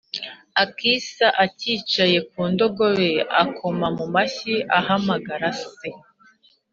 akisa acyicaye ku ndogobe akoma mu mashyi ahamagara se